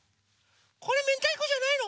これめんたいこじゃないの？